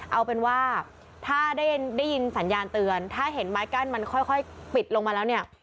เอาเป็นว่าถ้าได้ยินสัญญาณเตือนถ้าเห็นไม้กั้นมันค่อยปิดลงมาแล้วเนี่ย